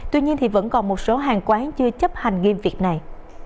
tuy nhiên vẫn còn một số hàng quán chưa chấp hành nghiêm việc này